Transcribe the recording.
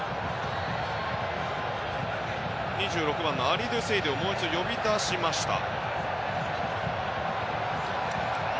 ２６番、アリドゥ・セイドゥをもう一度呼び出しました。